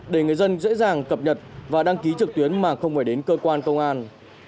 để người dân dễ dàng cập nhật và đăng ký trực tuyến mà không phải đến cơ quan công an